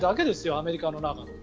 アメリカの中の。